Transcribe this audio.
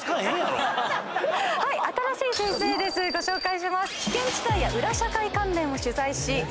はい新しい先生ですご紹介します。